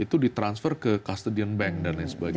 itu di transfer ke kustadian bank dan lain sebagainya